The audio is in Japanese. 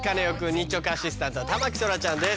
日直アシスタントは田牧そらちゃんです。